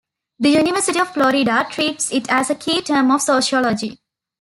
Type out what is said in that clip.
The University of Florida treats it as a key term of Sociology.